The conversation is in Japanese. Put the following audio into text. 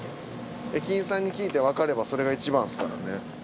駅員さんに聞いてわかればそれがいちばんですからね。